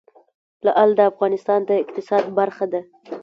لعل د افغانستان د اقتصاد برخه ده.